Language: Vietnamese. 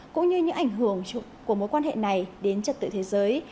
cũng như những ảnh hưởng của mối quan hệ này đến trật tự thế giới